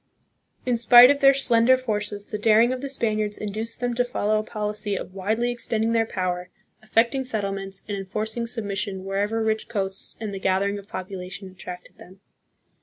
In spite of their slender forces, the daring of the Spaniards induced them to follow a policy of widely extending their power, effect ing settlements, and enforcing submission wherever rich coasts and the gathering of population attracted them.